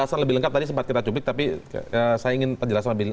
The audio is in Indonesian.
itu melakukan satu pelanggaran hukum